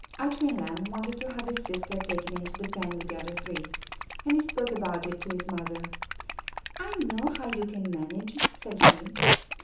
Our twin Lamb wanted to have his sister taken into the pen with the other three, and he spoke about it to his mother. '*I know how you can manage," said he.